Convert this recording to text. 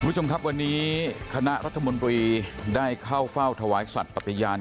คุณผู้ชมครับวันนี้คณะรัฐมนตรีได้เข้าเฝ้าถวายสัตว์ปฏิญาณ